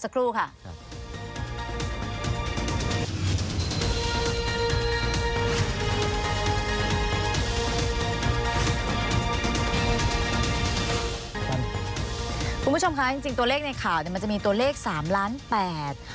คุณผู้ชมคะตัวเลขข่าวมันจะมีเทวสินสามล้านแปด